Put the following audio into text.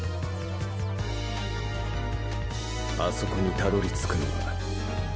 あそこにたどりつくのが。